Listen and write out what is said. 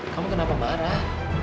kamu kenapa marah